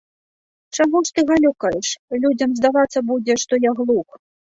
Чаго ж ты галёкаеш, людзям здавацца будзе, што я глух.